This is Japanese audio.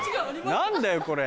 何だよこれ。